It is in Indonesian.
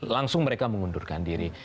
langsung mereka mengundurkan diri